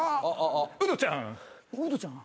ウドちゃん！